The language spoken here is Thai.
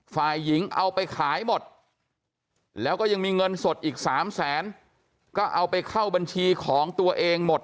ฝ่ายหญิงเอาไปขายหมดแล้วก็ยังมีเงินสดอีก๓แสนก็เอาไปเข้าบัญชีของตัวเองหมด